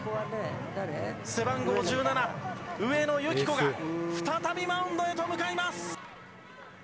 背番号１７・上野由岐子が再びマウンドへ向かいます。